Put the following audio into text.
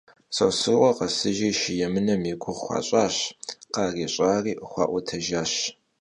Sosrıkhue khesıjjri şşu yêmınem yi guğu xuaş'aş, khariş'ari xua'uetejjaş.